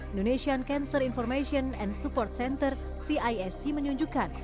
indonesian cancer information and support center cisg menunjukkan